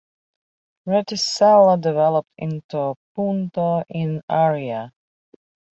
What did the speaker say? Reticella developed into Punto in Aria.